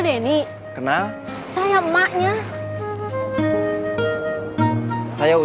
gak ada yang kabur